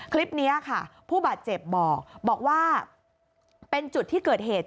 คลิปนี้ค่ะผู้บาดเจ็บบอกบอกว่าเป็นจุดที่เกิดเหตุ